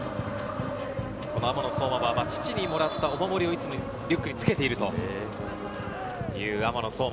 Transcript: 雨野颯真は父にもらったお守りを、いつもリュックにつけている。